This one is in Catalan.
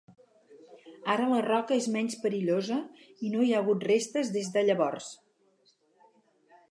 Ara la roca és menys perillosa i no hi ha hagut restes des de llavors.